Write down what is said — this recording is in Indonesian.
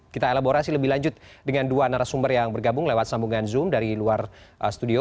kita elaborasi lebih lanjut dengan dua narasumber yang bergabung lewat sambungan zoom dari luar studio